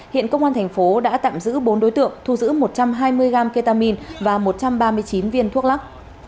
hiện công an thành phố đã tạm giữ bốn đối tượng thu giữ một trăm hai mươi gram ketamine và một trăm ba mươi chín viên thuốc lắc